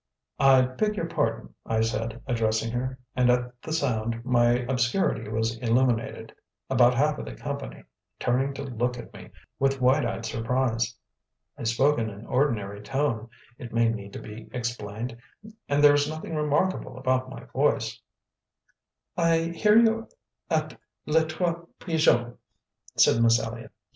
"I beg your pardon," I said, addressing her, and at the sound my obscurity was illuminated, about half of the company turning to look at me with wide eyed surprise. (I spoke in an ordinary tone, it may need to be explained, and there is nothing remarkable about my voice). "I hear you're at Les Trois Pigeons," said Miss Elliott.